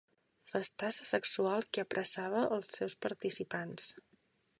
Festassa sexual que apressava els seus participants.